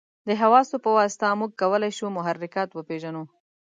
د حواسو په واسطه موږ کولای شو محرکات وپېژنو.